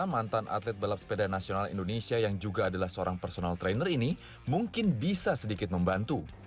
sebagai seorang seorang sepeda mantan atlet belap sepeda nasional indonesia yang juga adalah seorang personal trainer ini mungkin bisa sedikit membantu